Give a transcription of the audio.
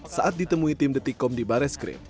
saat ditemui tim detikkom di bareskrip